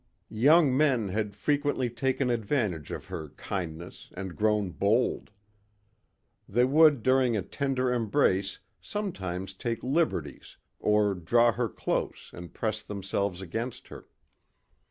Young men had frequently taken advantage of her kindness and grown bold. They would during a tender embrace sometimes take liberties or draw her close and press themselves against her.